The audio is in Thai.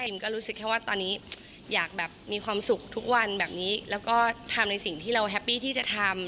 ก็รู้สึกแค่ว่าตอนนี้อยากแบบมีความสุขทุกวันแบบนี้แล้วก็ทำในสิ่งที่เราแฮปปี้ที่จะทำ